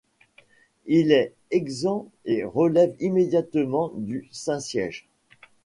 Il est exempt et relève immédiatement du Saint-Siège.